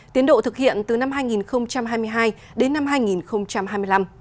tiến độ thực hiện từ năm hai nghìn hai mươi hai đến năm hai nghìn hai mươi năm